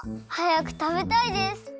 はやくたべたいです！